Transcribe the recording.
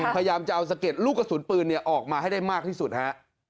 พยายามจะเอาสะเก็ดลูกกระสุนปืนออกมาให้ได้มากที่สุดฮะ